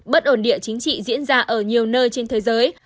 bất ổn địa chính trị diễn ra ở nhiều nơi trên thế giới